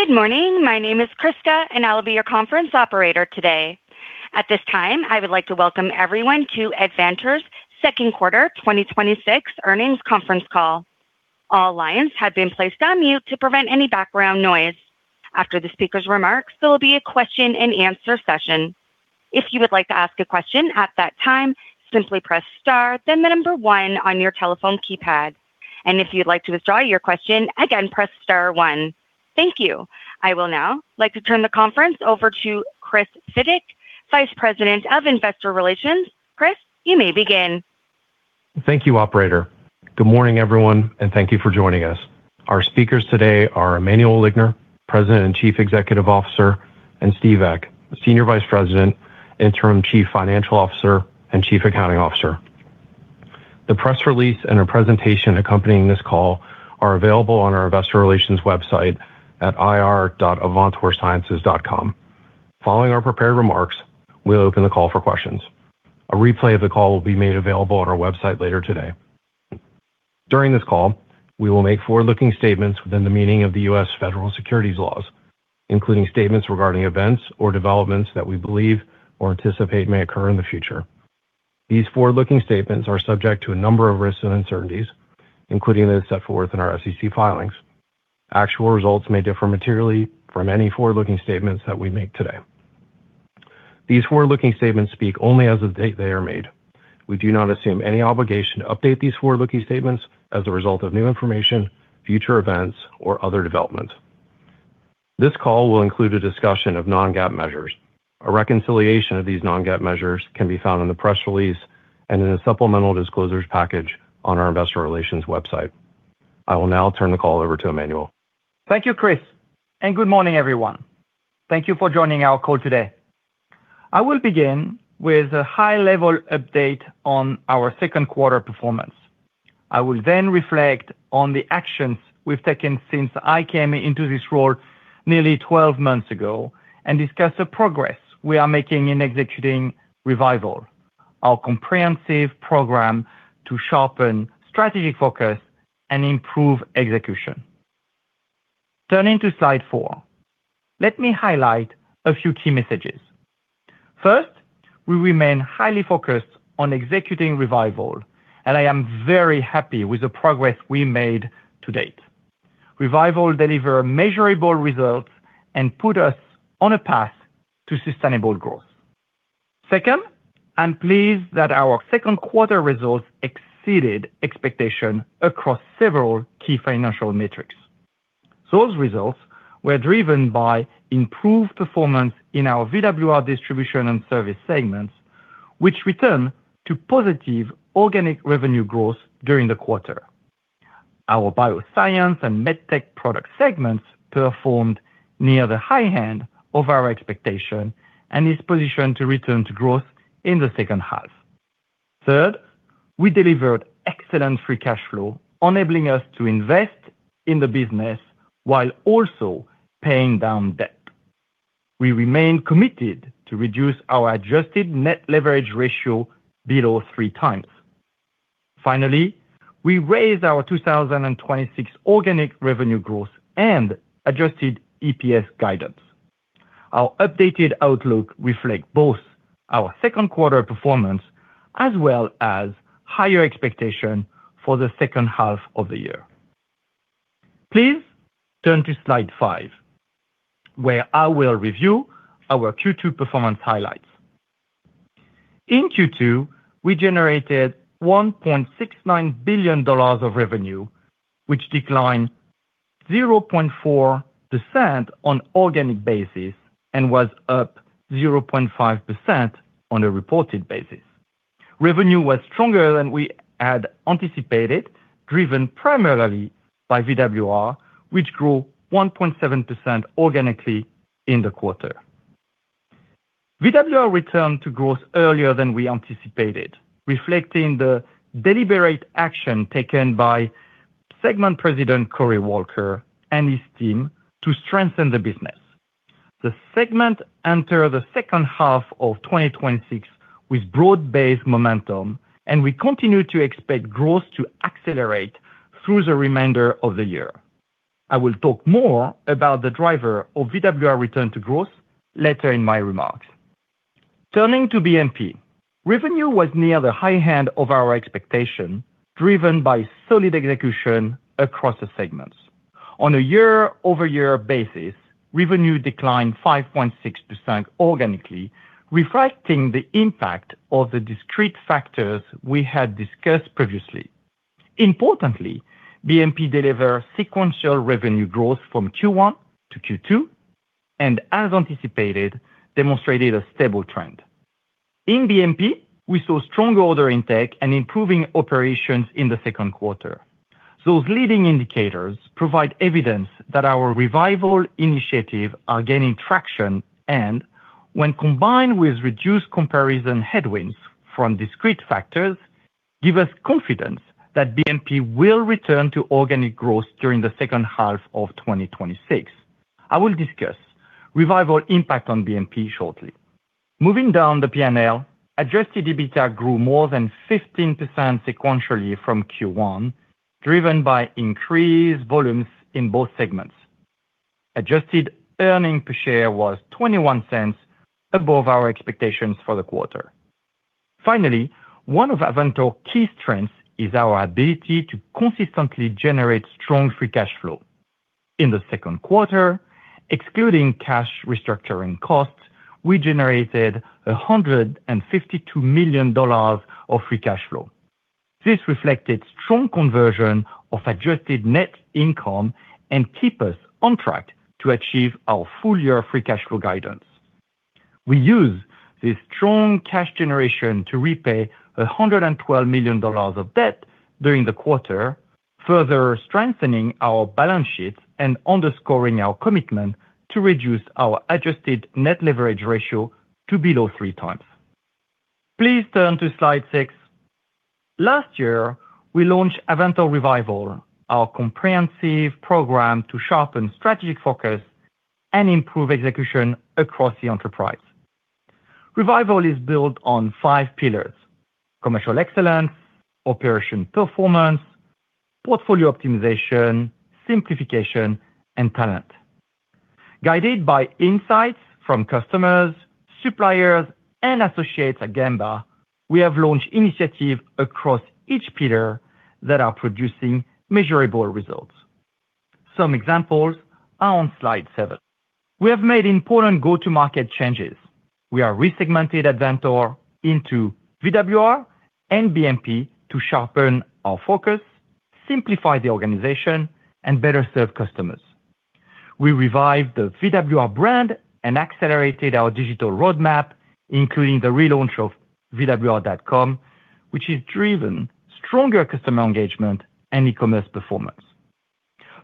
Good morning. My name is Krista, and I'll be your conference operator today. At this time, I would like to welcome everyone to Avantor's Second Quarter 2026 Earnings Conference Call. All lines have been placed on mute to prevent any background noise. After the speaker's remarks, there will be a question and answer session. If you would like to ask a question at that time, simply press star then the number one on your telephone keypad. If you'd like to withdraw your question, again, press star one. Thank you. I will now like to turn the conference over to Chris Fidyk, Vice President of Investor Relations. Chris, you may begin. Thank you, operator. Good morning, everyone, and thank you for joining us. Our speakers today are Emmanuel Ligner, President and Chief Executive Officer, and Steven Eck, Senior Vice President, Interim Chief Financial Officer, and Chief Accounting Officer. The press release and our presentation accompanying this call are available on our investor relations website at ir.avantorsciences.com. Following our prepared remarks, we'll open the call for questions. A replay of the call will be made available on our website later today. During this call, we will make forward-looking statements within the meaning of the U.S. Federal securities laws, including statements regarding events or developments that we believe or anticipate may occur in the future. These forward-looking statements are subject to a number of risks and uncertainties, including those set forth in our SEC filings. Actual results may differ materially from any forward-looking statements that we make today. These forward-looking statements speak only as of the date they are made. We do not assume any obligation to update these forward-looking statements as a result of new information, future events, or other developments. This call will include a discussion of non-GAAP measures. A reconciliation of these non-GAAP measures can be found in the press release and in the supplemental disclosures package on our investor relations website. I will now turn the call over to Emmanuel. Thank you, Chris, and good morning, everyone. Thank you for joining our call today. I will begin with a high-level update on our second quarter performance. I will then reflect on the actions we've taken since I came into this role nearly 12 months ago and discuss the progress we are making in executing Revival, our comprehensive program to sharpen strategic focus and improve execution. Turning to slide four, let me highlight a few key messages. First, we remain highly focused on executing Revival, and I'm very happy with the progress we made to date. Revival deliver measurable results and put us on a path to sustainable growth. Second, I'm pleased that our second quarter results exceeded expectation across several key financial metrics. Those results were driven by improved performance in our VWR Distribution & Services segments, which returned to positive organic revenue growth during the quarter. Our Bioscience & Medtech Products segments performed near the high end of our expectation and is positioned to return to growth in the second half. Third, we delivered excellent free cash flow, enabling us to invest in the business while also paying down debt. We remain committed to reduce our adjusted net leverage ratio below 3x. We raised our 2026 organic revenue growth and adjusted EPS guidance. Our updated outlook reflect both our second quarter performance as well as higher expectation for the second half of the year. Please turn to slide five, where I will review our Q2 performance highlights. In Q2, we generated $1.69 billion of revenue, which declined 0.4% on organic basis and was up 0.5% on a reported basis. Revenue was stronger than we had anticipated, driven primarily by VWR, which grew 1.7% organically in the quarter. VWR returned to growth earlier than we anticipated, reflecting the deliberate action taken by segment President Corey Walker and his team to strengthen the business. The segment enter the second half of 2026 with broad-based momentum, and we continue to expect growth to accelerate through the remainder of the year. I will talk more about the driver of VWR return to growth later in my remarks. Turning to BMP. Revenue was near the high end of our expectation, driven by solid execution across the segments. On a year-over-year basis, revenue declined 5.6% organically, reflecting the impact of the discrete factors we had discussed previously. Importantly, BMP delivered sequential revenue growth from Q1 to Q2 and, as anticipated, demonstrated a stable trend. In BMP, we saw stronger order intake and improving operations in the second quarter. Those leading indicators provide evidence that our Revival initiatives are gaining traction and, when combined with reduced comparison headwinds from discrete factors, give us confidence that BMP will return to organic growth during the second half of 2026. I will discuss Revival impact on BMP shortly. Moving down the P&L, adjusted EBITDA grew more than 15% sequentially from Q1, driven by increased volumes in both segments. Adjusted earning per share was $0.21 above our expectations for the quarter. One of Avantor key strengths is our ability to consistently generate strong free cash flow. In the second quarter, excluding cash restructuring costs, we generated $152 million of free cash flow. This reflected strong conversion of adjusted net income and keep us on track to achieve our full-year free cash flow guidance. We used this strong cash generation to repay $112 million of debt during the quarter, further strengthening our balance sheets and underscoring our commitment to reduce our adjusted net leverage ratio to below 3x. Please turn to slide six. Last year, we launched Avantor Revival, our comprehensive program to sharpen strategic focus and improve execution across the enterprise. Revival is built on five pillars: commercial excellence, operation performance, portfolio optimization, simplification, and talent. Guided by insights from customers, suppliers, and associates at Gemba, we have launched initiatives across each pillar that are producing measurable results. Some examples are on slide seven. We have made important go-to-market changes. We have resegmented Avantor into VWR and BMP to sharpen our focus, simplify the organization, and better serve customers. We revived the VWR brand and accelerated our digital roadmap, including the relaunch of vwr.com, which has driven stronger customer engagement and e-commerce performance.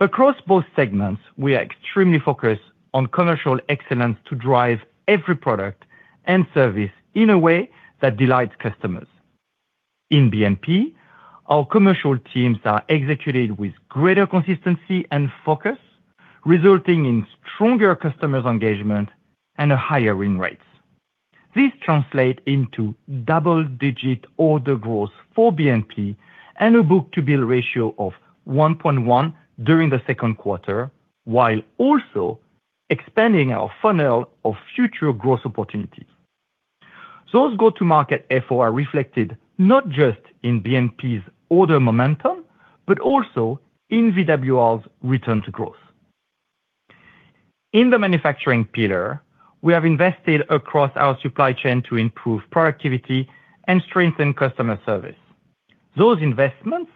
Across both segments, we are extremely focused on commercial excellence to drive every product and service in a way that delights customers. In BMP, our commercial teams are executing with greater consistency and focus, resulting in stronger customer engagement and higher win rates. This translate into double-digit order growth for BMP and a book-to-bill ratio of 1.1 during the second quarter, while also expanding our funnel of future growth opportunities. Those go-to-market effort are reflected not just in BMP's order momentum, but also in VWR's return to growth. In the manufacturing pillar, we have invested across our supply chain to improve productivity and strengthen customer service. Those investments,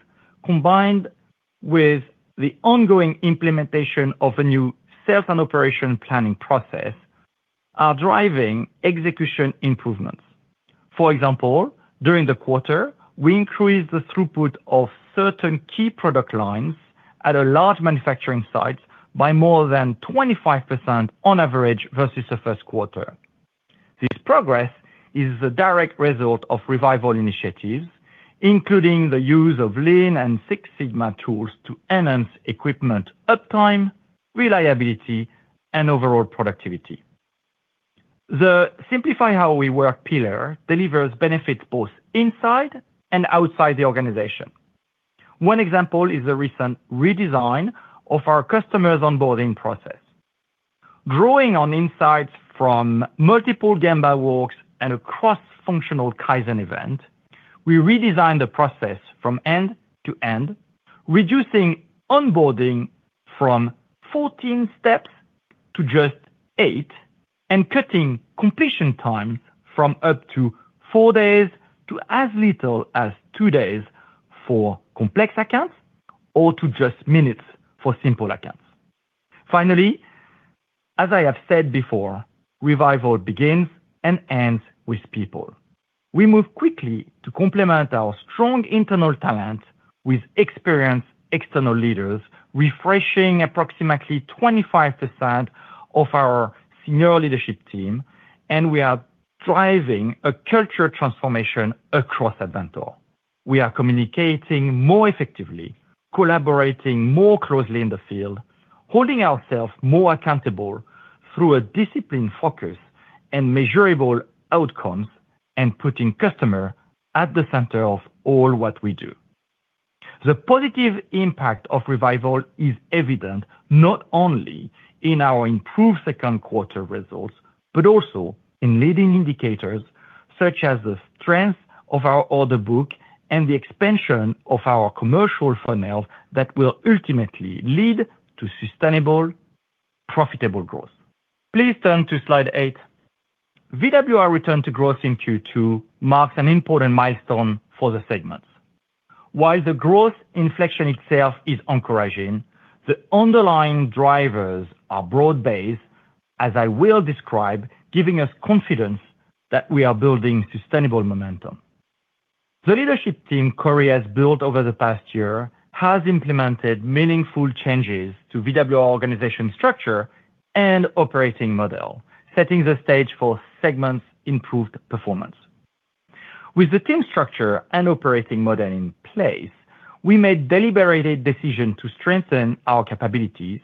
combined with the ongoing implementation of a new sales and operation planning process, are driving execution improvements. For example, during the quarter, we increased the throughput of certain key product lines at a large manufacturing site by more than 25% on average versus the first quarter. This progress is the direct result of Revival initiatives, including the use of Lean and Six Sigma tools to enhance equipment uptime, reliability, and overall productivity. The Simplify How We Work pillar delivers benefits both inside and outside the organization. One example is the recent redesign of our customers onboarding process. Drawing on insights from multiple Gemba walks and a cross-functional Kaizen event, we redesigned the process from end to end, reducing onboarding from 14 steps to just eight, and cutting completion time from up to four days to as little as two days for complex accounts or to just minutes for simple accounts. Finally, as I have said before, Revival begins and ends with people. We move quickly to complement our strong internal talent with experienced external leaders, refreshing approximately 25% of our senior leadership team and we are driving a culture transformation across Avantor. We are communicating more effectively, collaborating more closely in the field, holding ourselves more accountable through a disciplined focus and measurable outcomes, and putting customer at the center of all what we do. The positive impact of Revival is evident not only in our improved second quarter results, but also in leading indicators such as the strength of our order book and the expansion of our commercial funnels that will ultimately lead to sustainable profitable growth. Please turn to slide eight. VWR return to growth in Q2 marks an important milestone for the segment. While the growth inflection itself is encouraging, the underlying drivers are broad-based, as I will describe, giving us confidence that we are building sustainable momentum. The leadership team Corey has built over the past year has implemented meaningful changes to VWR organization structure and operating model, setting the stage for segment's improved performance. With the team structure and operating model in place, we made deliberate decision to strengthen our capabilities,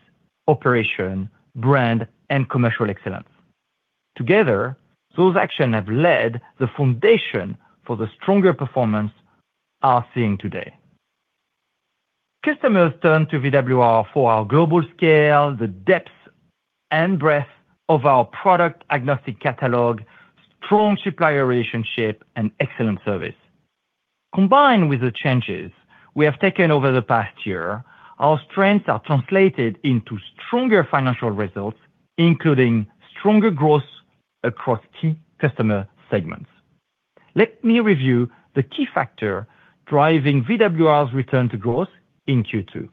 operation, brand, and commercial excellence. Together, those action have laid the foundation for the stronger performance we are seeing today. Customers turn to VWR for our global scale, the depth and breadth of our product agnostic catalog, strong supplier relationship, and excellent service. Combined with the changes we have taken over the past year, our strengths are translated into stronger financial results, including stronger growth across key customer segments. Let me review the key factor driving VWR's return to growth in Q2.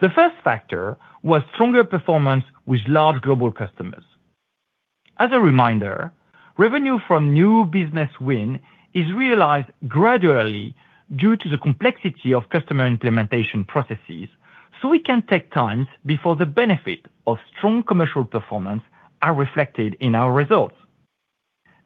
The first factor was stronger performance with large global customers. As a reminder, revenue from new business win is realized gradually due to the complexity of customer implementation processes, it can take time before the benefit of strong commercial performance are reflected in our results.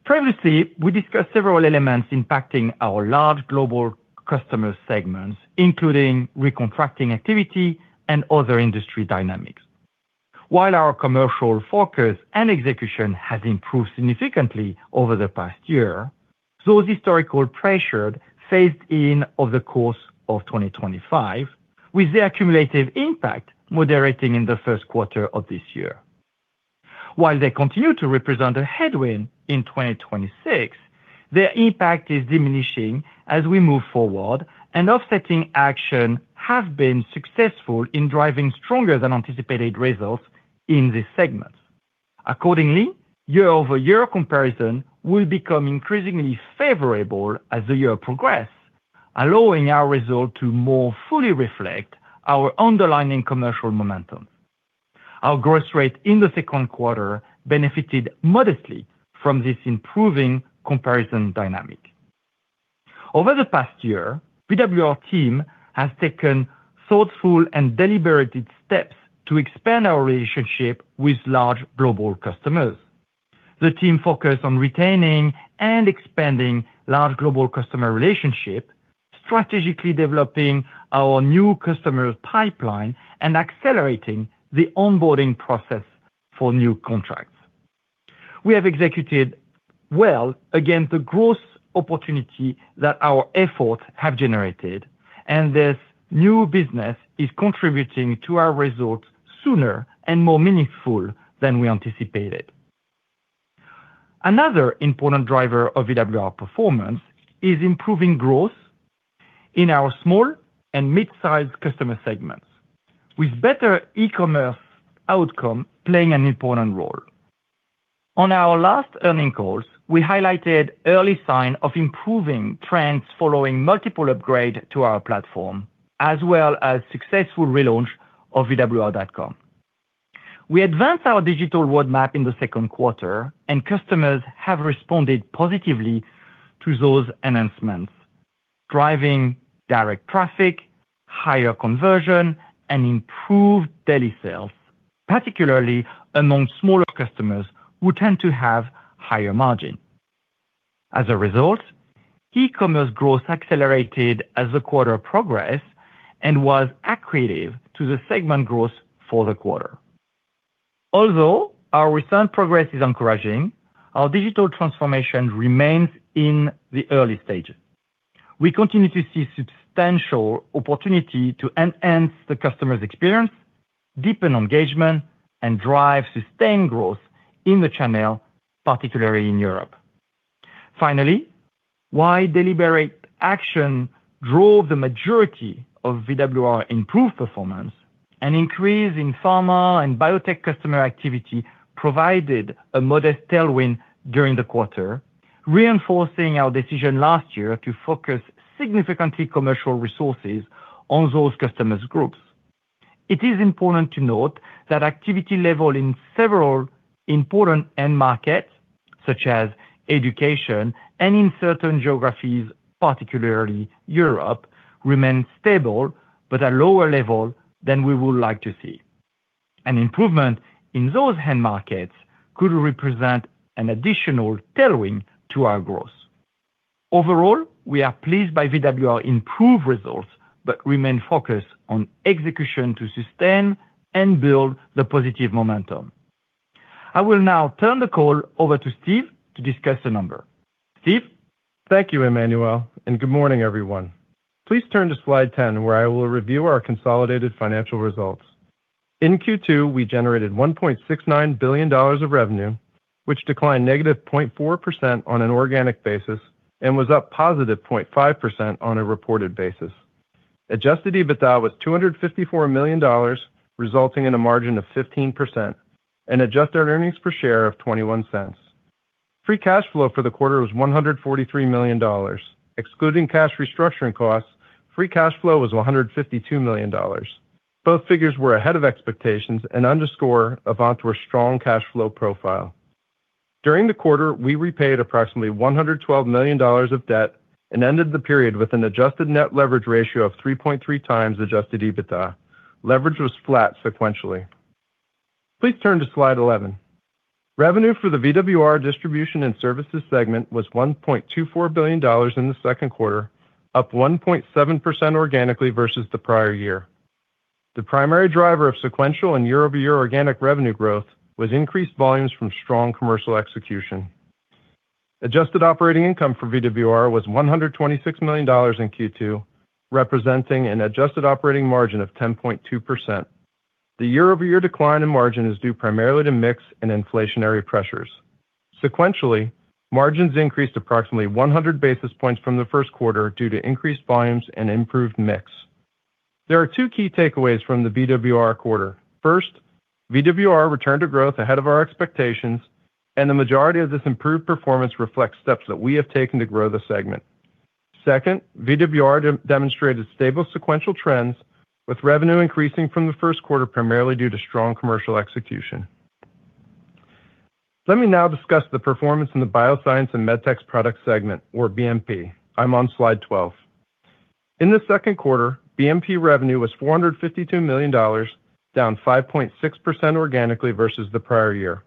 Previously, we discussed several elements impacting our large global customer segments, including recontracting activity and other industry dynamics. While our commercial focus and execution has improved significantly over the past year, those historical pressures phased in over the course of 2025, with the cumulative impact moderating in the first quarter of this year. While they continue to represent a headwind in 2026, their impact is diminishing as we move forward, offsetting action have been successful in driving stronger than anticipated results in this segment. Accordingly, year-over-year comparison will become increasingly favorable as the year progress, allowing our result to more fully reflect our underlying commercial momentum. Our growth rate in the second quarter benefited modestly from this improving comparison dynamic. Over the past year, VWR team has taken thoughtful and deliberate steps to expand our relationship with large global customers. The team focused on retaining and expanding large global customer relationship, strategically developing our new customers pipeline, and accelerating the onboarding process for new contracts. We have executed well against the growth opportunity that our efforts have generated, this new business is contributing to our results sooner and more meaningful than we anticipated. Another important driver of VWR performance is improving growth in our small and mid-sized customer segments, with better e-commerce outcome playing an important role. On our last earnings calls, we highlighted early sign of improving trends following multiple upgrade to our platform, as well as successful relaunch of vwr.com. We advanced our digital roadmap in the second quarter, customers have responded positively to those enhancements, driving direct traffic, higher conversion, and improved daily sales, particularly among smaller customers who tend to have higher margin. As a result, e-commerce growth accelerated as the quarter progress and was accretive to the segment growth for the quarter. Although our recent progress is encouraging, our digital transformation remains in the early stages. We continue to see substantial opportunity to enhance the customer's experience, deepen engagement, and drive sustained growth in the channel, particularly in Europe. Finally, while deliberate action drove the majority of VWR improved performance, an increase in pharma and biotech customer activity provided a modest tailwind during the quarter, reinforcing our decision last year to focus significantly commercial resources on those customers groups. It is important to note that activity level in several important end markets, such as education and in certain geographies, particularly Europe, remain stable, but at lower level than we would like to see. An improvement in those end markets could represent an additional tailwind to our growth. Overall, we are pleased by VWR improved results, remain focused on execution to sustain and build the positive momentum. I will now turn the call over to Steve to discuss the number. Steve? Thank you, Emmanuel, and good morning, everyone. Please turn to slide 10, where I will review our consolidated financial results. In Q2, we generated $1.69 billion of revenue, which declined -0.4% on an organic basis and was up +0.5% on a reported basis. Adjusted EBITDA was $254 million, resulting in a margin of 15%, and adjusted earnings per share of $0.21. Free cash flow for the quarter was $143 million. Excluding cash restructuring costs, free cash flow was $152 million. Both figures were ahead of expectations and underscore Avantor's strong cash flow profile. During the quarter, we repaid approximately $112 million of debt and ended the period with an adjusted net leverage ratio of 3.3x adjusted EBITDA. Leverage was flat sequentially. Please turn to slide 11. Revenue for the VWR Distribution & Services segment was $1.24 billion in the second quarter, up 1.7% organically versus the prior year. The primary driver of sequential and year-over-year organic revenue growth was increased volumes from strong commercial execution. Adjusted operating income for VWR was $126 million in Q2, representing an adjusted operating margin of 10.2%. The year-over-year decline in margin is due primarily to mix and inflationary pressures. Sequentially, margins increased approximately 100 basis points from the first quarter due to increased volumes and improved mix. There are two key takeaways from the VWR quarter. First, VWR returned to growth ahead of our expectations, and the majority of this improved performance reflects steps that we have taken to grow the segment. Second, VWR demonstrated stable sequential trends, with revenue increasing from the first quarter primarily due to strong commercial execution. Let me now discuss the performance in the Bioscience & Medtech Products segment, or BMP. I am on slide 12. In the second quarter, BMP revenue was $452 million, down 5.6% organically versus the prior year.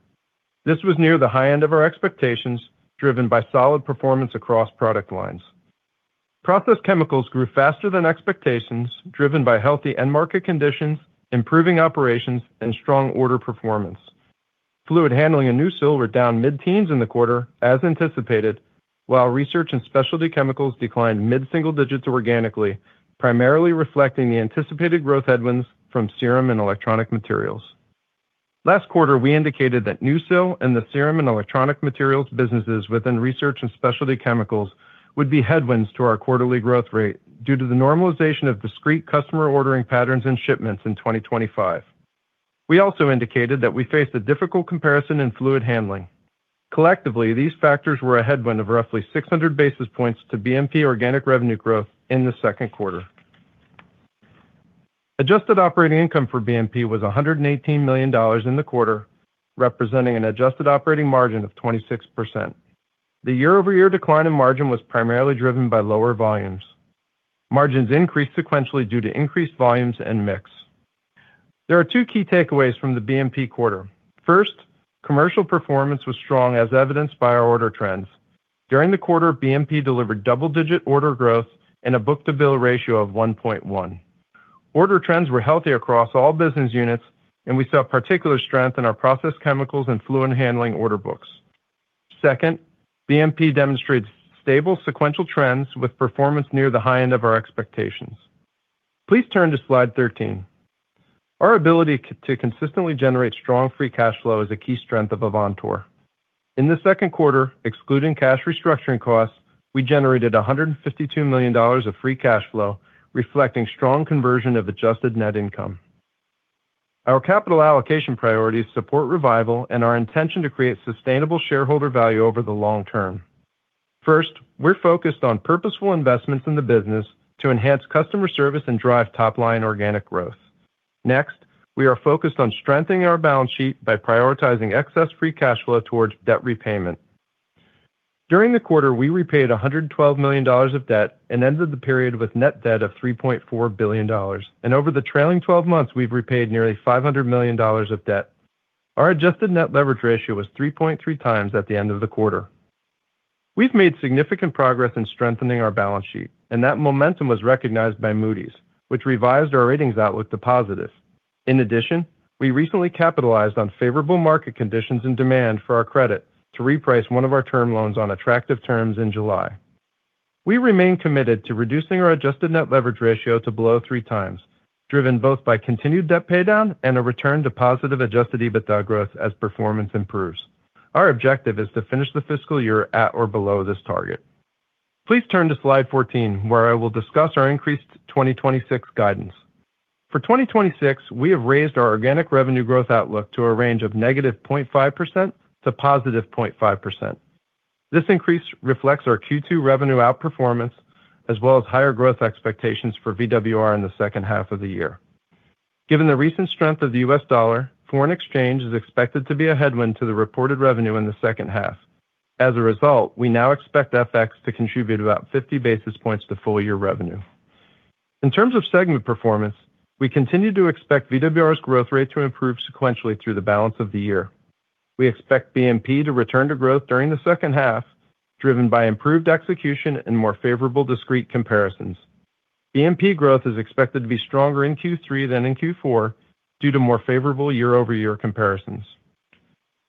This was near the high end of our expectations, driven by solid performance across product lines. Production chemicals grew faster than expectations, driven by healthy end market conditions, improving operations, and strong order performance. Fluid handling and NuSil were down mid-teens in the quarter, as anticipated, while research and specialty chemicals declined mid-single digits organically, primarily reflecting the anticipated growth headwinds from serum and electronic materials. Last quarter, we indicated that NuSil and the serum and electronic materials businesses within research and specialty chemicals would be headwinds to our quarterly growth rate due to the normalization of discrete customer ordering patterns and shipments in 2025. We also indicated that we faced a difficult comparison in fluid handling. Collectively, these factors were a headwind of roughly 600 basis points to BMP organic revenue growth in the second quarter. Adjusted operating income for BMP was $118 million in the quarter, representing an adjusted operating margin of 26%. The year-over-year decline in margin was primarily driven by lower volumes. Margins increased sequentially due to increased volumes and mix. There are two key takeaways from the BMP quarter. First, commercial performance was strong as evidenced by our order trends. During the quarter, BMP delivered double-digit order growth and a book-to-bill ratio of 1.1. Order trends were healthy across all business units, and we saw particular strength in our production chemicals and fluid handling order books. Second, BMP demonstrates stable sequential trends with performance near the high end of our expectations. Please turn to slide 13. Our ability to consistently generate strong free cash flow is a key strength of Avantor. In the second quarter, excluding cash restructuring costs, we generated $152 million of free cash flow, reflecting strong conversion of adjusted net income. Our capital allocation priorities support Revival and our intention to create sustainable shareholder value over the long term. First, we are focused on purposeful investments in the business to enhance customer service and drive top-line organic growth. Next, we are focused on strengthening our balance sheet by prioritizing excess free cash flow towards debt repayment. During the quarter, we repaid $112 million of debt and ended the period with net debt of $3.4 billion. Over the trailing 12 months, we have repaid nearly $500 million of debt. Our adjusted net leverage ratio was 3.3x at the end of the quarter. We have made significant progress in strengthening our balance sheet, that momentum was recognized by Moody's, which revised our ratings outlook to positive. In addition, we recently capitalized on favorable market conditions and demand for our credit to reprice one of our term loans on attractive terms in July. We remain committed to reducing our adjusted net leverage ratio to below three times, driven both by continued debt paydown and a return to positive adjusted EBITDA growth as performance improves. Our objective is to finish the fiscal year at or below this target. Please turn to slide 14, where I will discuss our increased 2026 guidance. For 2026, we have raised our organic revenue growth outlook to a range of -0.5% to +0.5%. This increase reflects our Q2 revenue outperformance, as well as higher growth expectations for VWR in the second half of the year. Given the recent strength of the U.S. dollar, foreign exchange is expected to be a headwind to the reported revenue in the second half. As a result, we now expect FX to contribute about 50 basis points to full-year revenue. In terms of segment performance, we continue to expect VWR's growth rate to improve sequentially through the balance of the year. We expect BMP to return to growth during the second half, driven by improved execution and more favorable discrete comparisons. BMP growth is expected to be stronger in Q3 than in Q4 due to more favorable year-over-year comparisons.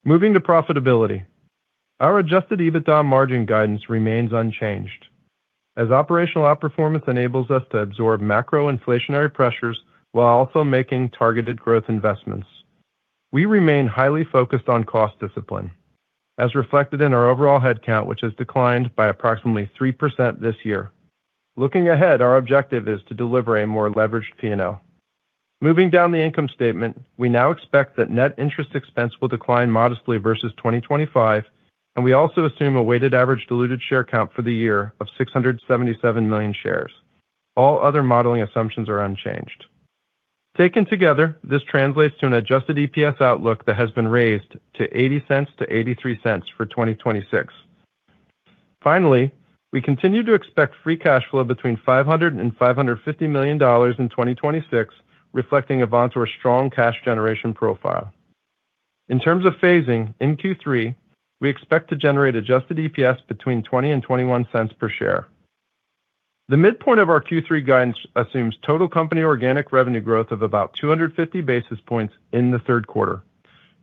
Moving to profitability, our adjusted EBITDA margin guidance remains unchanged, as operational outperformance enables us to absorb macro inflationary pressures while also making targeted growth investments. We remain highly focused on cost discipline, as reflected in our overall headcount, which has declined by approximately 3% this year. Looking ahead, our objective is to deliver a more leveraged P&L. Moving down the income statement, we now expect that net interest expense will decline modestly versus 2025. We also assume a weighted average diluted share count for the year of 677 million shares. All other modeling assumptions are unchanged. Taken together, this translates to an adjusted EPS outlook that has been raised to $0.80-$0.83 for 2026. Finally, we continue to expect free cash flow between $500 million and $550 million in 2026, reflecting Avantor's strong cash generation profile. In terms of phasing, in Q3, we expect to generate adjusted EPS between $0.20 and $0.21 per share. The midpoint of our Q3 guidance assumes total company organic revenue growth of about 250 basis points in the third quarter.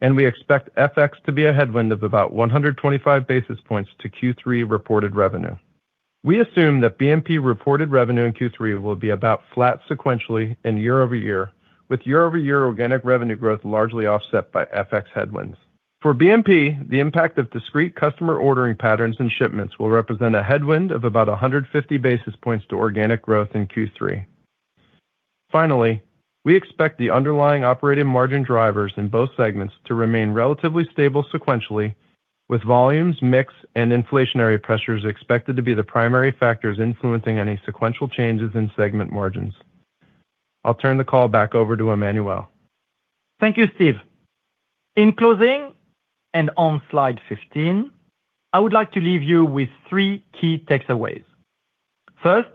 We expect FX to be a headwind of about 125 basis points to Q3 reported revenue. We assume that BMP reported revenue in Q3 will be about flat sequentially and year-over-year, with year-over-year organic revenue growth largely offset by FX headwinds. For BMP, the impact of discrete customer ordering patterns and shipments will represent a headwind of about 150 basis points to organic growth in Q3. Finally, we expect the underlying operating margin drivers in both segments to remain relatively stable sequentially, with volumes, mix, and inflationary pressures expected to be the primary factors influencing any sequential changes in segment margins. I'll turn the call back over to Emmanuel. Thank you, Steve. In closing, on slide 15, I would like to leave you with three key takeaways. First,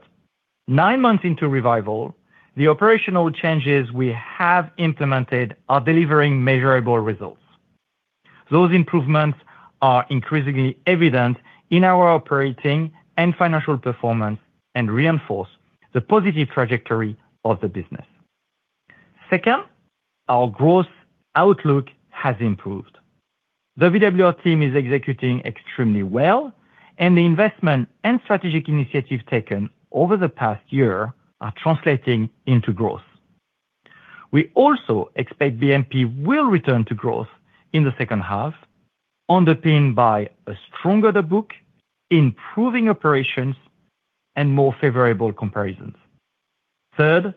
nine months into Revival, the operational changes we have implemented are delivering measurable results. Those improvements are increasingly evident in our operating and financial performance and reinforce the positive trajectory of the business. Second, our growth outlook has improved. The VWR team is executing extremely well, and the investment and strategic initiatives taken over the past year are translating into growth. We also expect BMP will return to growth in the second half, underpinned by a stronger book, improving operations, and more favorable comparisons. Third,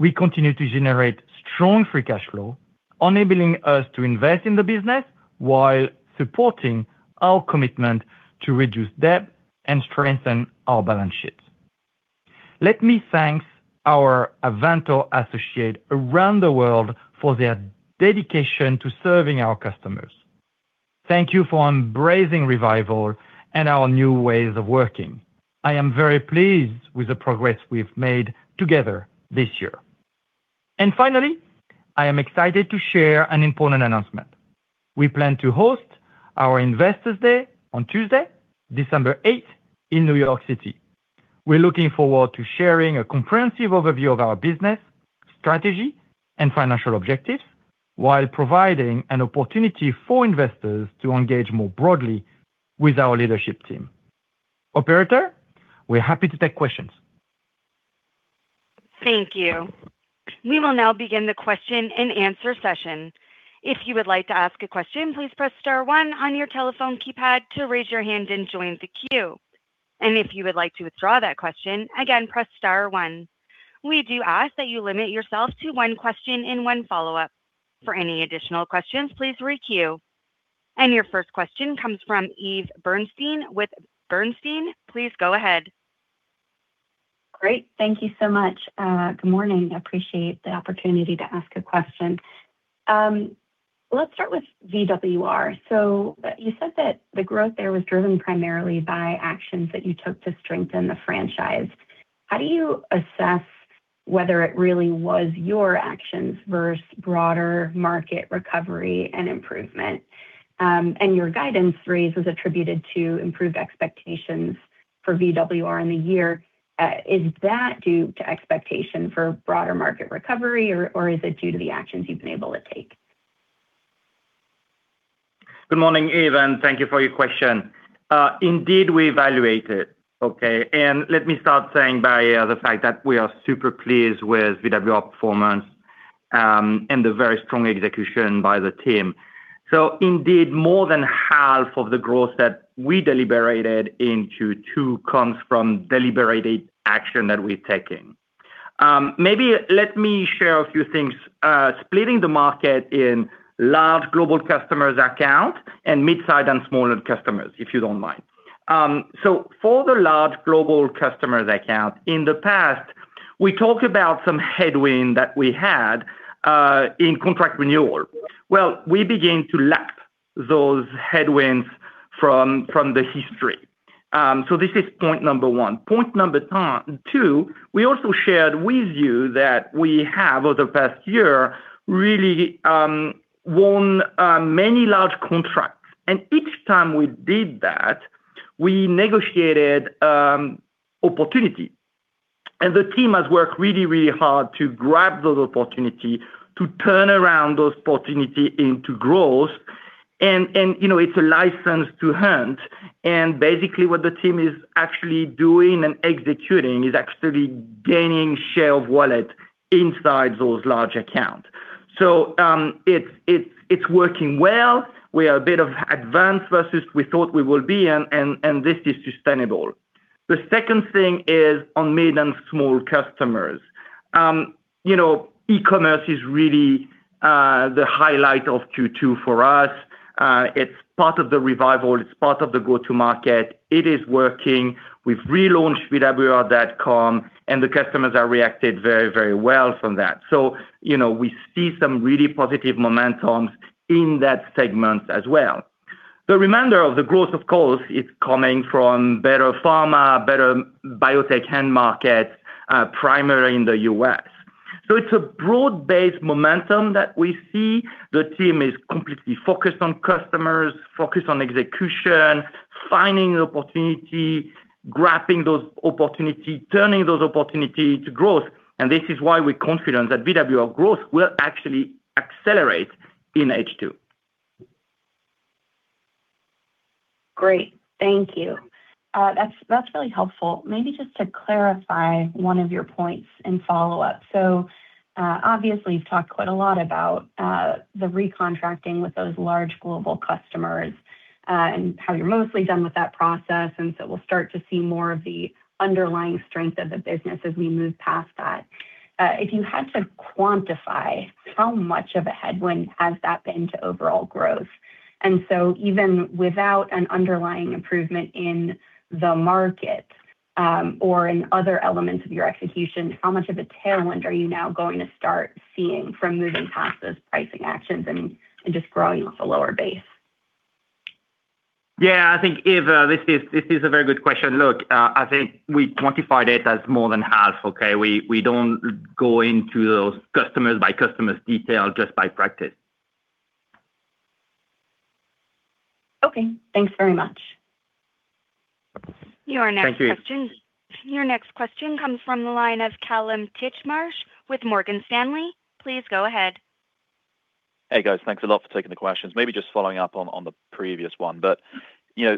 we continue to generate strong free cash flow, enabling us to invest in the business while supporting our commitment to reduce debt and strengthen our balance sheets. Let me thank our Avantor associates around the world for their dedication to serving our customers. Thank you for embracing Revival and our new ways of working. I am very pleased with the progress we've made together this year. Finally, I am excited to share an important announcement. We plan to host our Investors Day on Tuesday, December 8th in New York City. We're looking forward to sharing a comprehensive overview of our business, strategy, and financial objectives while providing an opportunity for investors to engage more broadly with our leadership team. Operator, we're happy to take questions. Thank you. We will now begin the question and answer session. If you would like to ask a question, please press star one on your telephone keypad to raise your hand and join the queue. If you would like to withdraw that question, again, press star one. We do ask that you limit yourself to one question and one follow-up. For any additional questions, please re-queue. Your first question comes from Eve Burstein with Bernstein. Please go ahead. Great. Thank you so much. Good morning. I appreciate the opportunity to ask a question. Let's start with VWR. You said that the growth there was driven primarily by actions that you took to strengthen the franchise. How do you assess whether it really was your actions versus broader market recovery and improvement? Your guidance raise was attributed to improved expectations for VWR in the year. Is that due to expectation for broader market recovery, or is it due to the actions you've been able to take? Good morning, Eve, thank you for your question. Indeed, we evaluate it. Okay. Let me start saying by the fact that we are super pleased with VWR performance and the very strong execution by the team. Indeed, more than half of the growth that we delivered in Q2 comes from deliberated action that we're taking. Maybe let me share a few things, splitting the market in large global customers account and mid-size and smaller customers, if you don't mind. For the large global customers account, in the past, we talked about some headwind that we had in contract renewal. Well, we begin to lap those headwinds from the history. This is point number one. Point number two, we also shared with you that we have, over the past year, really won many large contracts. Each time we did that, we negotiated opportunity, the team has worked really hard to grab those opportunity to turn around those opportunity into growth. It's a license to hunt, basically what the team is actually doing and executing is actually gaining share of wallet inside those large accounts. It's working well. We are a bit of advance versus we thought we will be, and this is sustainable. The second thing is on medium small customers. E-commerce is really the highlight of Q2 for us. It's part of the Revival. It's part of the go-to market. It is working. We've relaunched vwr.com, and the customers have reacted very well from that. We see some really positive momentum in that segment as well. The remainder of the growth, of course, is coming from better pharma, better biotech end market, primarily in the U.S. It's a broad-based momentum that we see. The team is completely focused on customers, focused on execution, finding the opportunity, grabbing those opportunities, turning those opportunities into growth. This is why we're confident that VWR growth will actually accelerate in H2. Great, thank you. That's really helpful. Maybe just to clarify one of your points in follow-up. Obviously you've talked quite a lot about the recontracting with those large global customers, and how you're mostly done with that process, we'll start to see more of the underlying strength of the business as we move past that. If you had to quantify, how much of a headwind has that been to overall growth? Even without an underlying improvement in the market, or in other elements of your execution, how much of a tailwind are you now going to start seeing from moving past those pricing actions and just growing off a lower base? Yeah, I think, Eve, this is a very good question. Look, I think we quantified it as more than half. We don't go into those customers by customers detail just by practice. Okay. Thanks very much. Thank you. Your next question comes from the line of Kallum Titchmarsh with Morgan Stanley. Please go ahead. Hey, guys. Thanks a lot for taking the questions. Maybe just following up on the previous one.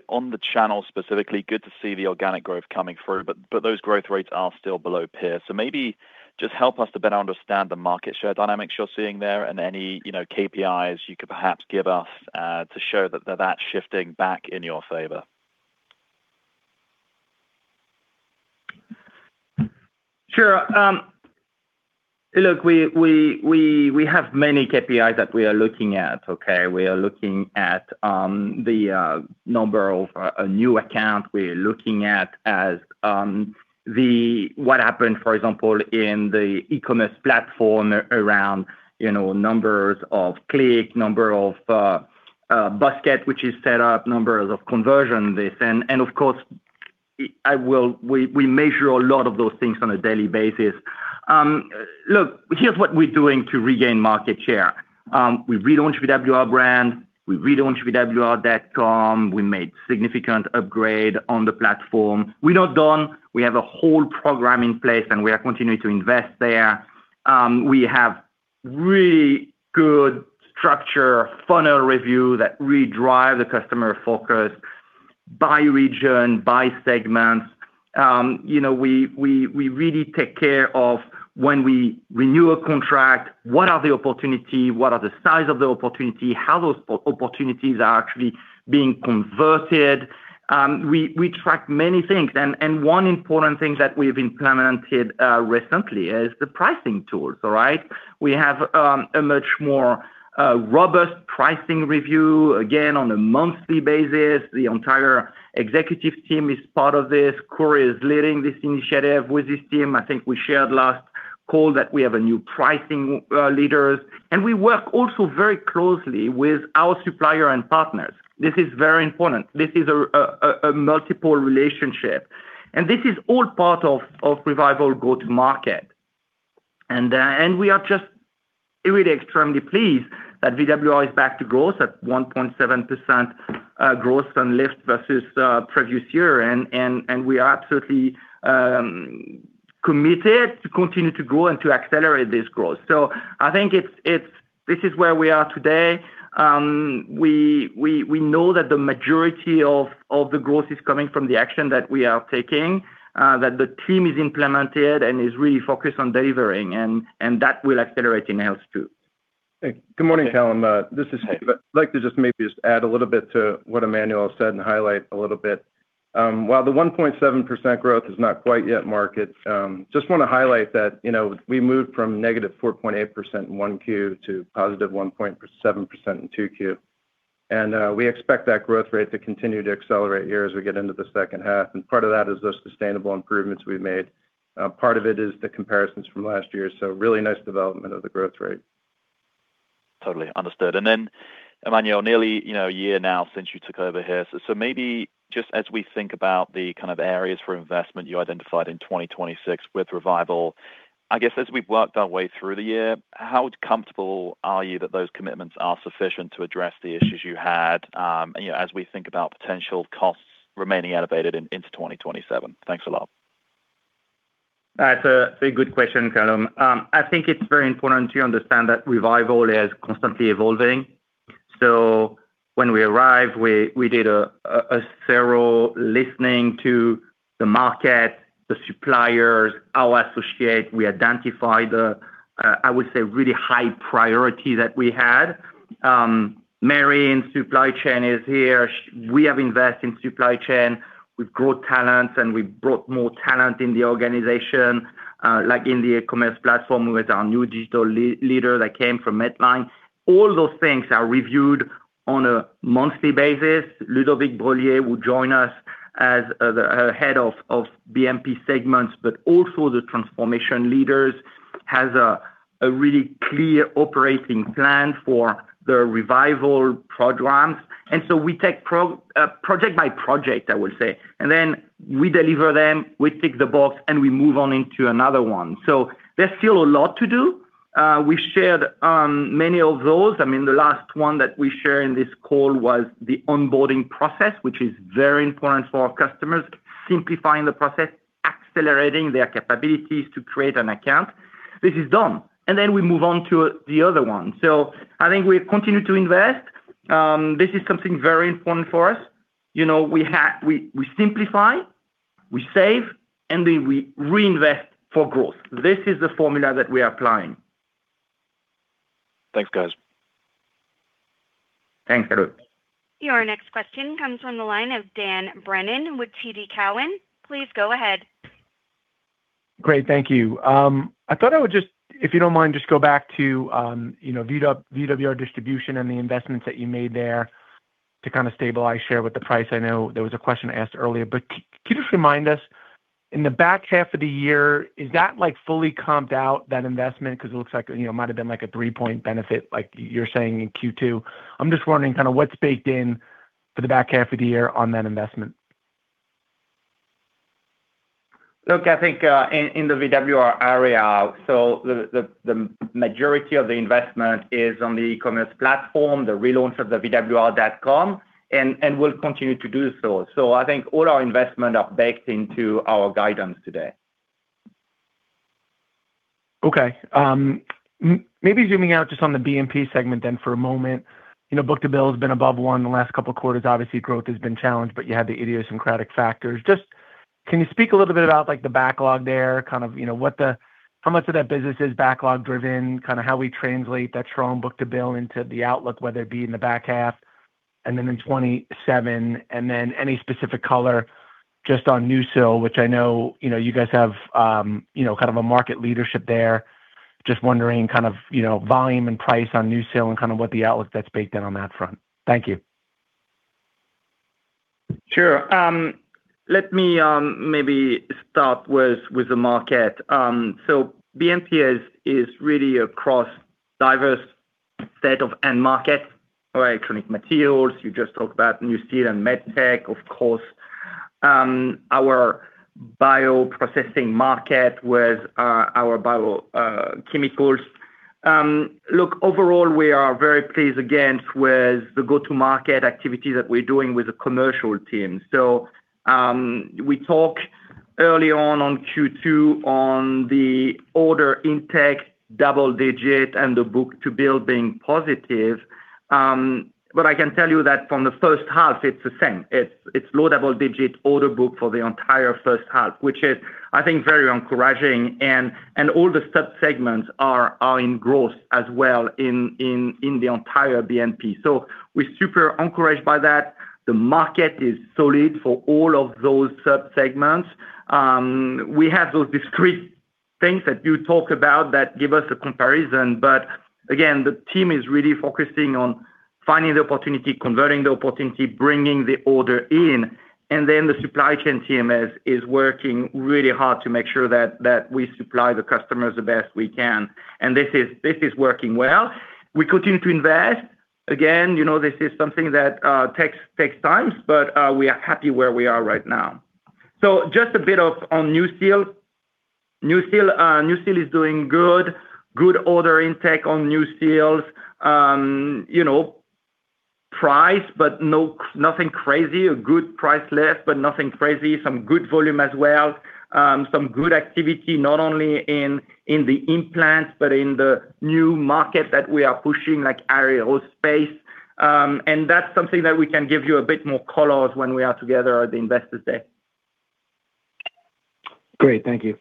On the channel specifically, good to see the organic growth coming through, those growth rates are still below peer. Maybe just help us to better understand the market share dynamics you're seeing there and any KPIs you could perhaps give us to show that that's shifting back in your favor. Sure. Look, we have many KPIs that we are looking at. We are looking at the number of new account, we are looking at what happened, for example, in the e-commerce platform around numbers of click, number of basket which is set up, numbers of conversion this. Of course, we measure a lot of those things on a daily basis. Look, here's what we're doing to regain market share. We've relaunched VWR brand, we've relaunched vwr.com, we made significant upgrade on the platform. We're not done. We have a whole program in place, and we are continuing to invest there. We have really good structure funnel review that really drive the customer focus by region, by segment. We really take care of when we renew a contract, what are the opportunity, what are the size of the opportunity, how those opportunities are actually being converted. We track many things. One important thing that we've implemented recently is the pricing tools. We have a much more robust pricing review, again, on a monthly basis. The entire executive team is part of this. Corey is leading this initiative with his team. I think we shared last call that we have a new pricing leaders. We work also very closely with our supplier and partners. This is very important. This is a multiple relationship. This is all part of Revival go-to-market. We are just really extremely pleased that VWR is back to growth at 1.7% growth on lift versus previous year. We are absolutely committed to continue to grow and to accelerate this growth. I think this is where we are today. We know that the majority of the growth is coming from the action that we are taking, that the team has implemented and is really focused on delivering, and that will accelerate in H2. Good morning, Kallum. This is Steve. I'd like to just maybe just add a little bit to what Emmanuel said and highlight a little bit. While the 1.7% growth is not quite yet market, just want to highlight that we moved from -4.8% in 1Q to positive 1.7% in 2Q. We expect that growth rate to continue to accelerate here as we get into the second half. Part of that is those sustainable improvements we've made. Part of it is the comparisons from last year, so really nice development of the growth rate. Totally. Understood. Emmanuel, nearly a year now since you took over here. Maybe just as we think about the kind of areas for investment you identified in 2026 with Revival, I guess as we've worked our way through the year, how comfortable are you that those commitments are sufficient to address the issues you had as we think about potential costs remaining elevated into 2027? Thanks a lot. That's a very good question, Kallum. I think it's very important to understand that Revival is constantly evolving. When we arrived, we did a thorough listening to the market, the suppliers, our associates. We identified the, I would say, really high priority that we had. Mary in supply chain is here. We have invested in supply chain. We've grown talents, and we've brought more talent in the organization, like in the e-commerce platform with our new digital leader that came from Medline. All those things are reviewed on a monthly basis, Ludovic Brellier will join us as the head of BMP segments, but also the transformation leaders has a really clear operating plan for the Revival programs. We take project by project, I would say, and then we deliver them, we tick the box, and we move on into another one. There's still a lot to do. We shared many of those. The last one that we share in this call was the onboarding process, which is very important for our customers, simplifying the process, accelerating their capabilities to create an account. This is done, we move on to the other one. I think we continue to invest. This is something very important for us. We simplify, we save, we reinvest for growth. This is the formula that we are applying. Thanks, guys. Thanks, Kallum. Your next question comes from the line of Dan Brennan with TD Cowen. Please go ahead. Great. Thank you. I thought I would just, if you don't mind, just go back to VWR Distribution and the investments that you made there to stabilize share with the price. I know there was a question asked earlier, but can you just remind us, in the back half of the year, is that fully comped out, that investment? Because it looks like it might have been like a three-point benefit like you're saying in Q2. I'm just wondering what's baked in for the back half of the year on that investment. Look, I think, in the VWR area, the majority of the investment is on the e-commerce platform, the relaunch of the vwr.com, and we'll continue to do so. I think all our investment are baked into our guidance today. Okay. Maybe zooming out just on the BMP segment then for a moment. book-to-bill has been above one the last couple of quarters. Obviously, growth has been challenged, but you had the idiosyncratic factors. Just, can you speak a little bit about the backlog there, how much of that business is backlog driven? How we translate that strong book-to-bill into the outlook, whether it be in the back half and then in 2027, and then any specific color just on NuSil, which I know you guys have a market leadership there. Just wondering volume and price on NuSil and what the outlook that's baked in on that front. Thank you. Sure. Let me maybe start with the market. BMP is really across diverse set of end markets, electronic materials, you just talked about NuSil and med tech, of course, our bioprocessing market with our biochemicals. Look, overall, we are very pleased again with the go-to-market activity that we're doing with the commercial team. We talked early on on Q2 on the order intake double-digit and the book-to-bill being positive. I can tell you that from the first half, it's the same. It's low double-digit order book for the entire first half, which is I think very encouraging and all the sub-segments are in growth as well in the entire BMP. We're super encouraged by that. The market is solid for all of those sub-segments. We have those discrete things that you talk about that give us a comparison. Again, the team is really focusing on finding the opportunity, converting the opportunity, bringing the order in, and then the supply chain team is working really hard to make sure that we supply the customers the best we can. This is working well. We continue to invest. Again, this is something that takes time, but we are happy where we are right now. Just a bit on NuSil. NuSil is doing good. Good order intake on NuSil. Nothing crazy. A good price list, but nothing crazy. Some good volume as well. Some good activity, not only in the implant, but in the new market that we are pushing, like aerospace. That's something that we can give you a bit more color when we are together at the Investors Day. Great. Thank you.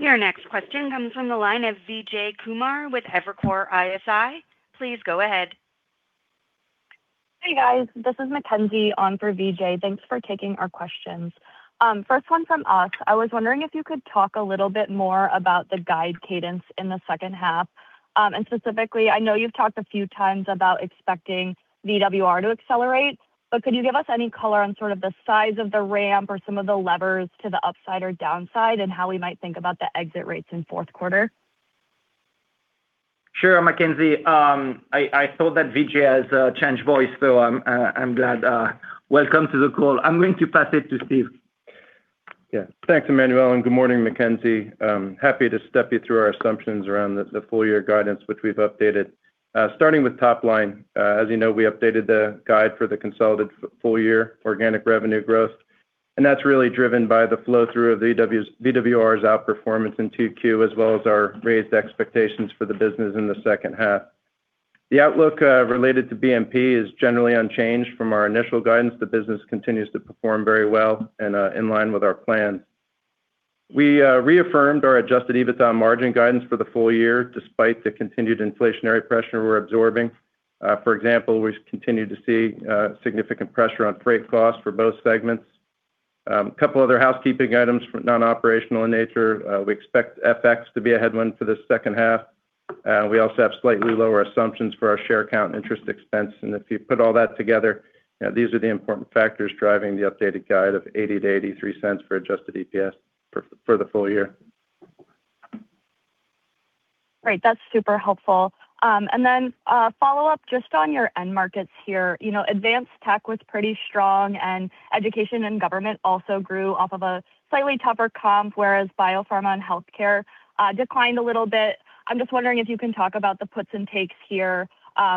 Your next question comes from the line of Vijay Kumar with Evercore ISI. Please go ahead. Hey, guys. This is Mackenzie on for Vijay. Thanks for taking our questions. First one from us. I was wondering if you could talk a little bit more about the guide cadence in the second half. Specifically, I know you've talked a few times about expecting VWR to accelerate, could you give us any color on sort of the size of the ramp or some of the levers to the upside or downside and how we might think about the exit rates in fourth quarter? Sure, Mackenzie. I thought that Vijay has changed voice. I'm glad. Welcome to the call. I'm going to pass it to Steve. Thanks, Emmanuel, and good morning, Mackenzie. Happy to step you through our assumptions around the full year guidance, which we've updated. Starting with top line. As you know, we updated the guide for the consolidated full year organic revenue growth, that's really driven by the flow through of VWR's outperformance in 2Q, as well as our raised expectations for the business in the second half. The outlook related to BMP is generally unchanged from our initial guidance. The business continues to perform very well and in line with our plan. We reaffirmed our adjusted EBITDA margin guidance for the full year, despite the continued inflationary pressure we're absorbing. For example, we continue to see significant pressure on freight costs for both segments. A couple other housekeeping items non-operational in nature. We expect FX to be a headwind for the second half. We also have slightly lower assumptions for our share count interest expense. If you put all that together, these are the important factors driving the updated guide of $0.80 to $0.83 for adjusted EPS for the full year. Great. That's super helpful. A follow-up just on your end markets here. Advanced tech was pretty strong, and education and government also grew off of a slightly tougher comp, whereas biopharma and healthcare declined a little bit. I'm just wondering if you can talk about the puts and takes here,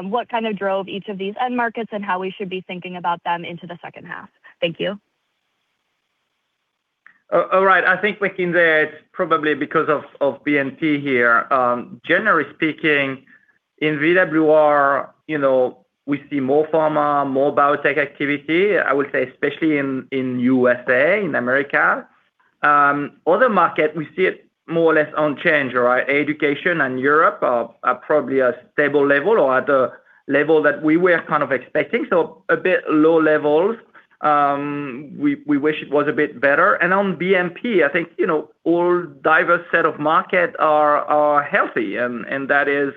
what kind of drove each of these end markets, and how we should be thinking about them into the second half. Thank you. All right. I think, making that probably because of BMP here. Generally speaking, in VWR, we see more pharma, more biotech activity, I would say especially in U.S., in America. Other market, we see it more or less unchanged. Education and Europe are probably a stable level or at a level that we were kind of expecting, so a bit low levels. We wish it was a bit better. On BMP, I think all diverse set of market are healthy, and that is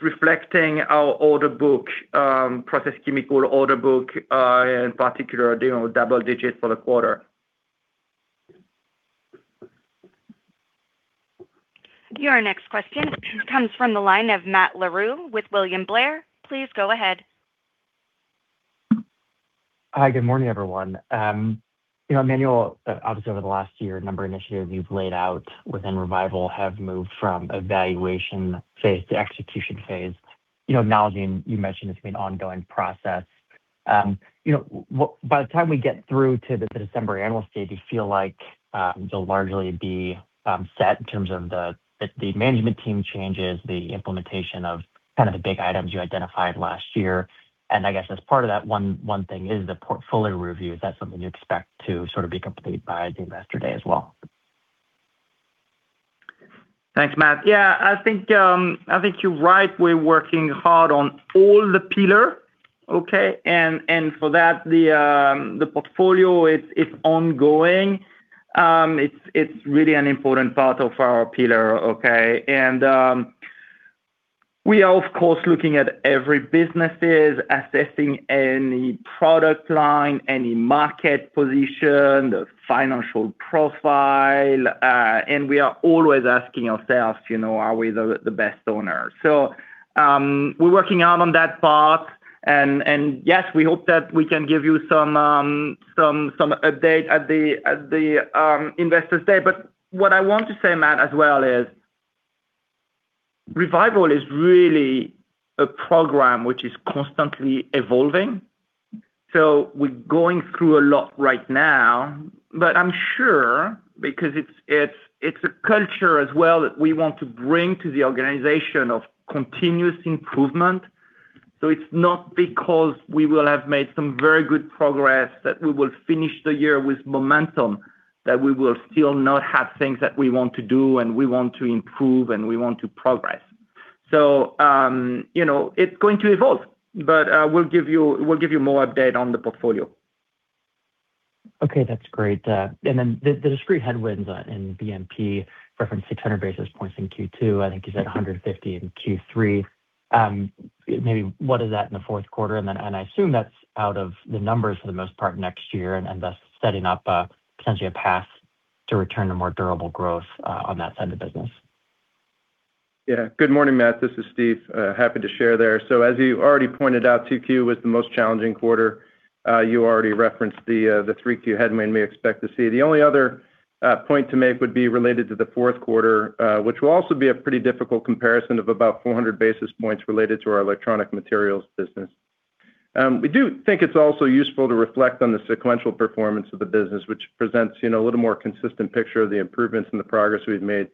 reflecting our order book, production chemical order book, in particular, double digits for the quarter. Your next question comes from the line of Matt Larew with William Blair. Please go ahead. Hi, good morning, everyone. Emmanuel, obviously over the last year, a number of initiatives you've laid out within Revival have moved from evaluation phase to execution phase. Acknowledging you mentioned it's been an ongoing process. By the time we get through to the December annual stage, you feel like you'll largely be set in terms of the management team changes, the implementation of kind of the big items you identified last year. I guess as part of that one thing is the portfolio review. Is that something you expect to sort of be complete by the Investor Day as well? Thanks, Matt. Yeah, I think you're right. We're working hard on all the pillar. Okay. For that, the portfolio it's ongoing. It's really an important part of our pillar, okay. We are, of course, looking at every businesses, assessing any product line, any market position, the financial profile. We are always asking ourselves, are we the best owner? We're working hard on that part, and yes, we hope that we can give you some update at the Investors Day. What I want to say, Matt, as well, is Revival is really a program which is constantly evolving. We're going through a lot right now, but I'm sure because it's a culture as well that we want to bring to the organization of continuous improvement. It's not because we will have made some very good progress that we will finish the year with momentum, that we will still not have things that we want to do and we want to improve and we want to progress. It's going to evolve, but, we'll give you more update on the portfolio. Okay, that's great. Then the discrete headwinds in BMP referenced 600 basis points in Q2. I think you said 150 in Q3. Maybe what is that in the fourth quarter? I assume that's out of the numbers for the most part next year, and thus setting up potentially a path to return to more durable growth on that side of the business. Yeah. Good morning, Matt. This is Steve. Happy to share there. As you already pointed out, 2Q was the most challenging quarter. You already referenced the 3Q headwind we may expect to see. The only other point to make would be related to the fourth quarter, which will also be a pretty difficult comparison of about 400 basis points related to our electronic materials business. We do think it's also useful to reflect on the sequential performance of the business, which presents a little more consistent picture of the improvements and the progress we've made.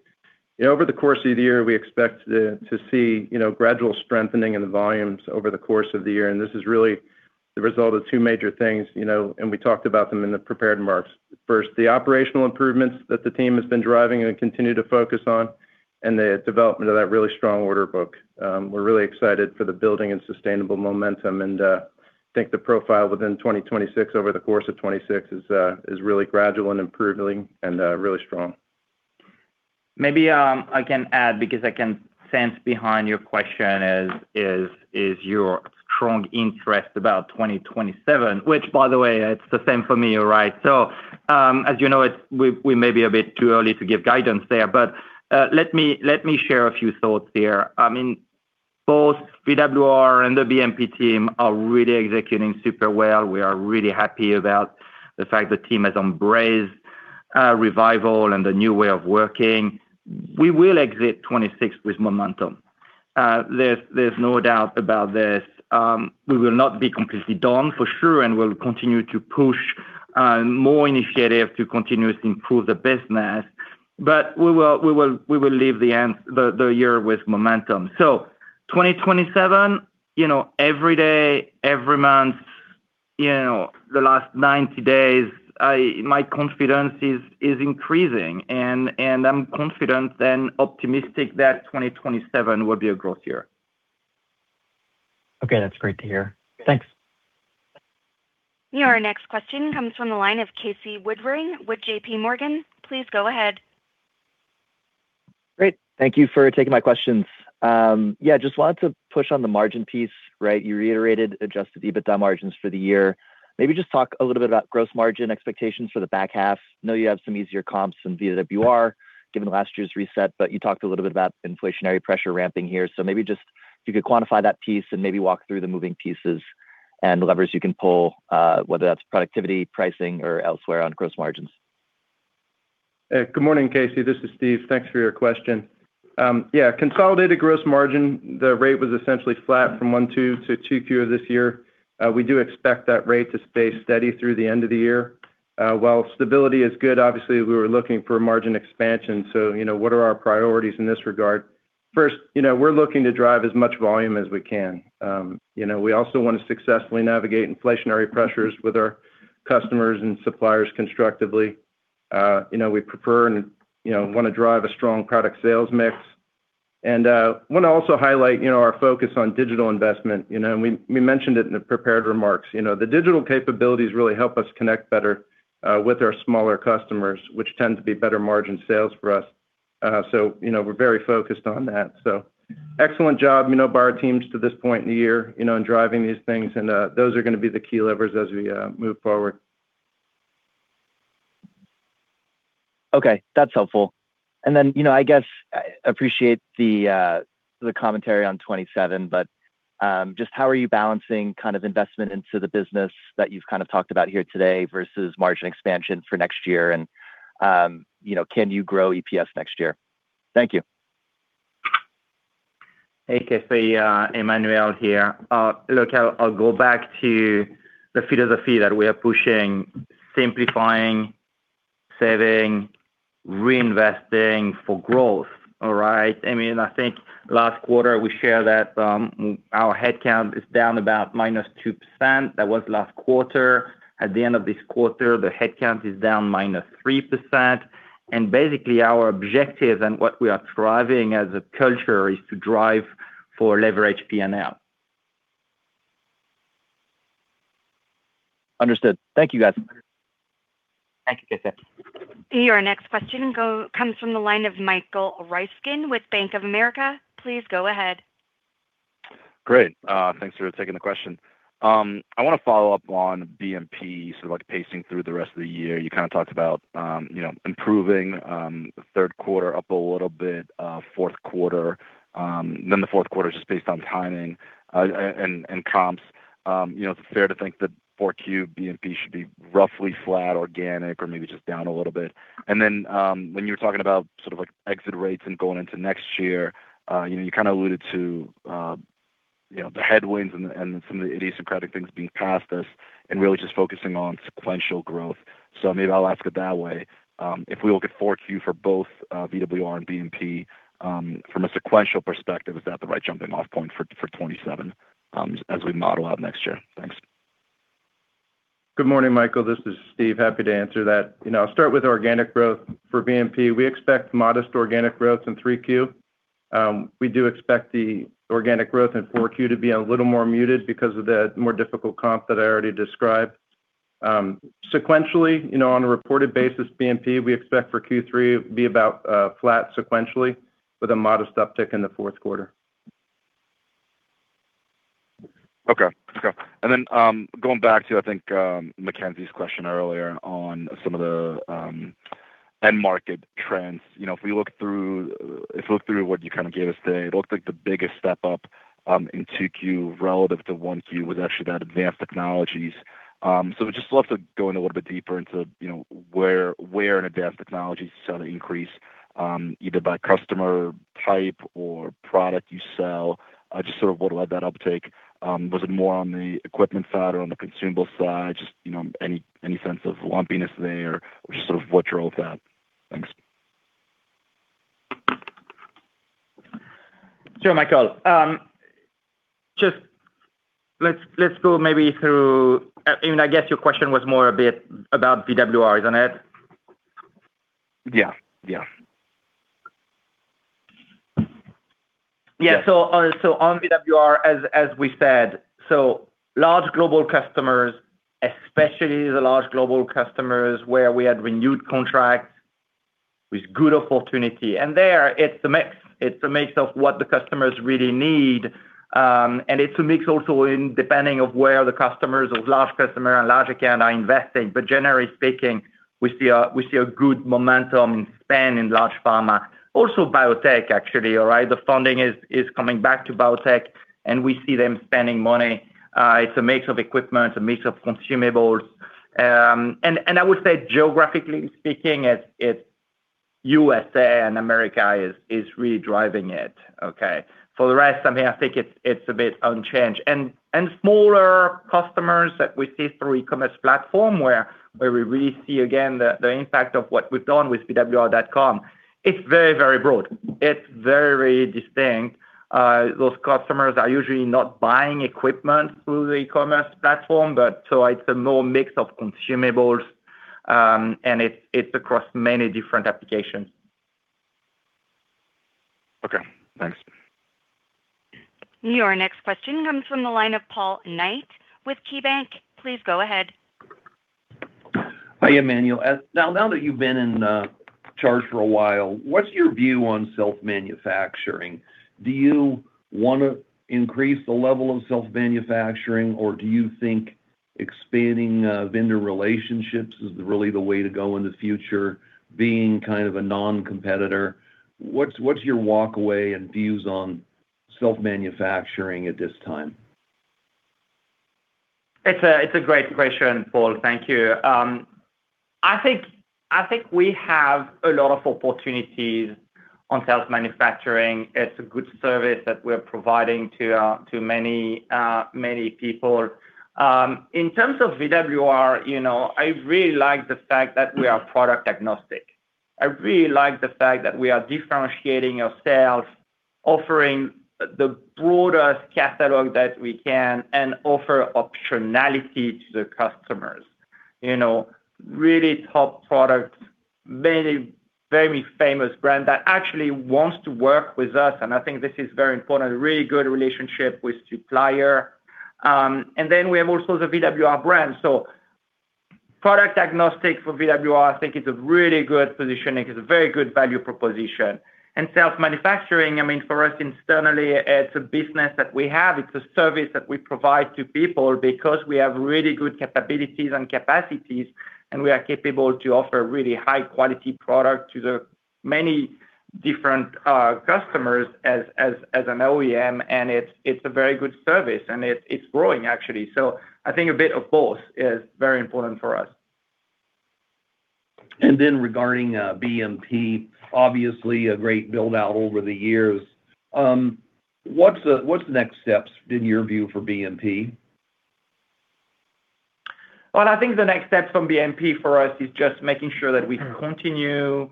Over the course of the year, we expect to see gradual strengthening in the volumes over the course of the year, and this is really the result of two major things, and we talked about them in the prepared remarks. First, the operational improvements that the team has been driving and continue to focus on and the development of that really strong order book. We're really excited for the building and sustainable momentum and think the profile within 2026, over the course of 2026, is really gradual and improving and really strong. Maybe I can add, because I can sense behind your question is your strong interest about 2027, which by the way, it's the same for me. You're right. As you know, we may be a bit too early to give guidance there, but let me share a few thoughts there. Both VWR and the BMP team are really executing super well. We are really happy about the fact the team has embraced Revival and the new way of working. We will exit 2026 with momentum. There's no doubt about this. We will not be completely done for sure, and we'll continue to push more initiative to continuously improve the business. We will leave the year with momentum. 2027, every day, every month, the last 90 days, my confidence is increasing, and I'm confident and optimistic that 2027 will be a growth year. Okay, that's great to hear. Thanks. Your next question comes from the line of Casey Woodring with JPMorgan. Please go ahead. Thank you for taking my questions. Just wanted to push on the margin piece. You reiterated adjusted EBITDA margins for the year. Maybe just talk a little bit about gross margin expectations for the back half. Know you have some easier comps than VWR given last year's reset, but you talked a little bit about inflationary pressure ramping here, so maybe just if you could quantify that piece and maybe walk through the moving pieces and levers you can pull, whether that's productivity, pricing, or elsewhere on gross margins? Good morning, Casey. This is Steve. Thanks for your question. Consolidated gross margin, the rate was essentially flat from Q1, Q2 to Q2 this year. We do expect that rate to stay steady through the end of the year. While stability is good, obviously, we were looking for margin expansion. What are our priorities in this regard? First, we're looking to drive as much volume as we can. We also want to successfully navigate inflationary pressures with our customers and suppliers constructively. We prefer and want to drive a strong product sales mix. Want to also highlight our focus on digital investment. We mentioned it in the prepared remarks. The digital capabilities really help us connect better with our smaller customers, which tend to be better margin sales for us. We're very focused on that. Excellent job by our teams to this point in the year in driving these things, those are going to be the key levers as we move forward. That's helpful. I guess, appreciate the commentary on 2027, just how are you balancing investment into the business that you've talked about here today versus margin expansion for next year, can you grow EPS next year? Thank you. Hey, Casey. Emmanuel here. Look, I'll go back to the feet of the fee that we are pushing, simplifying, saving, reinvesting for growth. All right. I think last quarter we shared that our headcount is down about -2%. That was last quarter. At the end of this quarter, the headcount is down -3%. Basically, our objective and what we are driving as a culture is to drive for leveraged P&L. Understood. Thank you, guys. Thank you, Casey. Your next question comes from the line of Michael Ryskin with Bank of America. Please go ahead. Great. Thanks for taking the question. I want to follow up on BMP, pacing through the rest of the year. You talked about improving the third quarter up a little bit. The fourth quarter is just based on timing and comps. Is it fair to think that 4Q BMP should be roughly flat organic or maybe just down a little bit? When you were talking about exit rates and going into next year, you kind of alluded to the headwinds and some of the idiosyncratic things being past us and really just focusing on sequential growth. Maybe I will ask it that way. If we look at 4Q for both VWR and BMP from a sequential perspective, is that the right jumping-off point for 2027 as we model out next year? Thanks. Good morning, Michael. This is Steve. Happy to answer that. I will start with organic growth for BMP. We expect modest organic growth in Q3. We do expect the organic growth in 4Q to be a little more muted because of the more difficult comp that I already described. Sequentially, on a reported basis, BMP, we expect for Q3 to be about flat sequentially with a modest uptick in the fourth quarter. Okay. Going back to, I think, Mackenzie's question earlier on some of the end market trends. If we look through what you gave us today, it looks like the biggest step up in Q2 relative to 1Q was actually that Advanced Technologies. Just love to go in a little bit deeper into where in Advanced Technologies you saw the increase, either by customer type or product you sell. Just sort of what led that uptake. Was it more on the equipment side or on the consumable side? Just any sense of lumpiness there or just sort of what drove that? Thanks. Sure, Michael. Let's go maybe through I guess your question was more a bit about VWR, isn't it? Yeah. Yeah. On VWR, as we said, large global customers, especially the large global customers where we had renewed contracts with good opportunity. There, it's a mix of what the customers really need. It's a mix also in depending of where the customers, those large customer and large account are investing. Generally speaking, we see a good momentum in spend in large pharma. Also biotech, actually. The funding is coming back to biotech, and we see them spending money. It's a mix of equipment, a mix of consumables. I would say geographically speaking, it's U.S.A. and America is really driving it. Okay. For the rest, I think it's a bit unchanged. Smaller customers that we see through e-commerce platform where we really see again the impact of what we've done with vwr.com, it's very broad. It's very distinct. Those customers are usually not buying equipment through the e-commerce platform, but so it's a more mix of consumables, and it's across many different applications. Okay, thanks. Your next question comes from the line of Paul Knight with KeyBank. Please go ahead. Hi, Emmanuel. Now that you've been in charge for a while, what's your view on self-manufacturing? Do you want to increase the level of self-manufacturing, or do you think expanding vendor relationships is really the way to go in the future, being kind of a non-competitor? What's your walk away and views on self-manufacturing at this time? It's a great question, Paul. Thank you. I think we have a lot of opportunities on self-manufacturing. It's a good service that we're providing to many people. In terms of VWR, I really like the fact that we are product-agnostic. I really like the fact that we are differentiating ourselves, offering the broadest catalog that we can, and offer optionality to the customers. Really top products, very famous brand that actually wants to work with us, and I think this is very important, a really good relationship with supplier. We have also the VWR brand. Product-agnostic for VWR, I think it's a really good positioning. It's a very good value proposition. Self-manufacturing, I mean, for us internally, it's a business that we have. It's a service that we provide to people because we have really good capabilities and capacities, and we are capable to offer really high-quality product to the many different customers as an OEM, and it's a very good service, and it's growing actually. I think a bit of both is very important for us. Regarding BMP, obviously a great build-out over the years. What's the next steps in your view for BMP? I think the next step from BMP for us is just making sure that we continue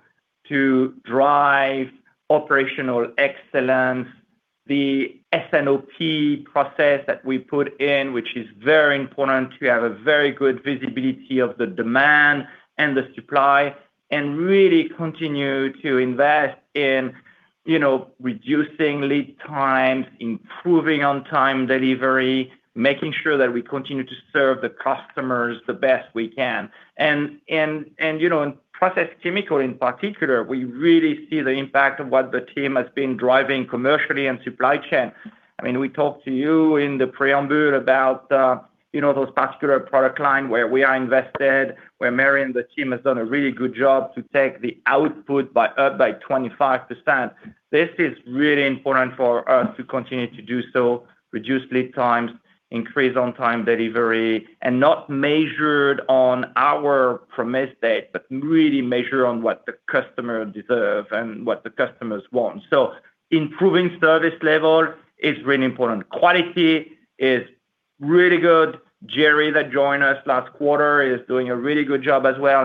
to drive operational excellence. The S&OP process that we put in, which is very important to have a very good visibility of the demand and the supply, really continue to invest in reducing lead times, improving on-time delivery, making sure that we continue to serve the customers the best we can. In production chemicals in particular, we really see the impact of what the team has been driving commercially and supply chain. We talked to you in the preamble about those vascular product line where we are invested, where Marion, the team has done a really good job to take the output up by 25%. This is really important for us to continue to do so, reduce lead times, increase on-time delivery, not measured on our premise date, really measure on what the customer deserve and what the customers want. Improving service level is really important. Quality is really good. Jerry, that joined us last quarter, is doing a really good job as well.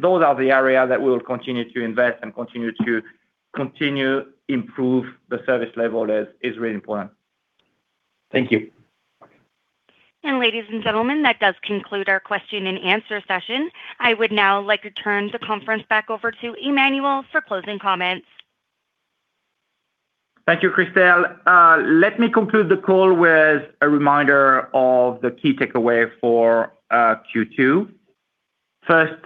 Those are the areas that we'll continue to invest and continue to improve the service level is really important. Thank you. Ladies and gentlemen, that does conclude our question and answer session. I would now like to turn the conference back over to Emmanuel for closing comments. Thank you, Krista. Let me conclude the call with a reminder of the key takeaway for Q2. First,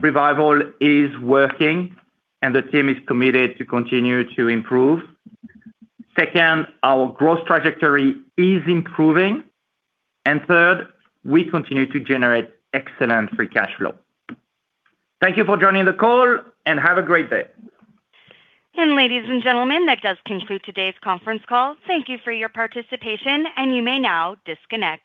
Revival is working and the team is committed to continue to improve. Second, our growth trajectory is improving. And third, we continue to generate excellent free cash flow. Thank you for joining the call, and have a great day. Ladies and gentlemen, that does conclude today's conference call. Thank you for your participation, and you may now disconnect.